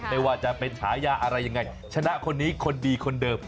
ไม่ว่าจะเป็นฉายาอะไรยังไงชนะคนนี้คนดีคนเดิม